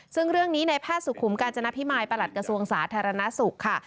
ซึ่งเรื่องนี้ในแพทย์สุขุมกาญจนพิมายประหลัดกระทรวงสาธารณสุขค่ะ